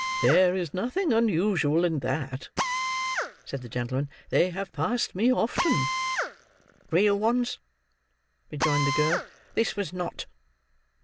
"There is nothing unusual in that," said the gentleman. "They have passed me often." "Real ones," rejoined the girl. "This was not."